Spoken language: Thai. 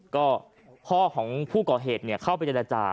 ก็พ่อของผู้ก่อเหตุเข้าไปเจรจา